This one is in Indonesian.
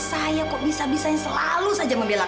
beneran kamu pembantu anak indonesia